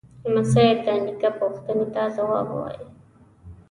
لمسی د نیکه پوښتنې ته ځواب وايي.